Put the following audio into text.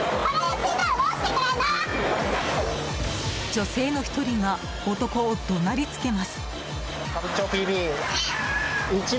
女性の１人が男を怒鳴りつけます。